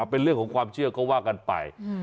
เป็นเรื่องของความเชื่อก็ว่ากันไป